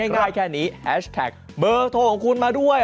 ง่ายแค่นี้แฮชแท็กเบอร์โทรของคุณมาด้วย